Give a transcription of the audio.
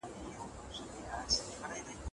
په تلویزیون کې هیڅ په زړه پورې شی نه و.